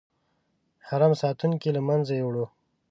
حرم ساتونکو له منځه یووړ.